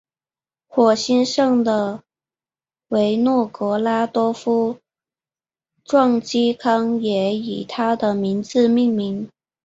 火星上的维诺格拉多夫撞击坑也以他的名字命名。